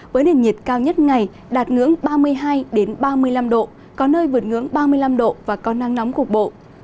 với nền nhiệt cao nhất ngày đạt ngưỡng ba mươi hai ba mươi năm độ có nơi vượt ngưỡng ba mươi năm độ và có nắng nóng cục bộ